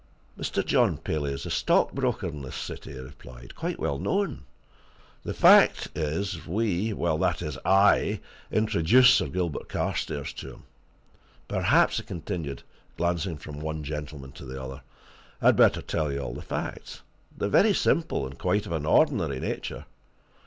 "Mr. John Paley is a stockbroker in this city," he replied. "Quite well known! The fact is, we that is, I introduced Sir Gilbert Carstairs to him. Perhaps," he continued, glancing from one gentleman to the other, "I had better tell you all the facts. They're very simple, and quite of an ordinary nature.